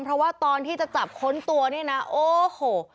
เพราะว่าตอนที่จะจับค้นตัวเนี่ยนะโอ้โห